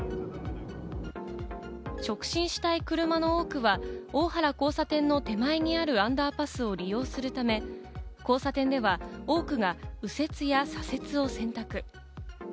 直進したい車の多くは大原交差点の手前にあるアンダーパスを利用するため、交差点では多くが右折や左折を選択。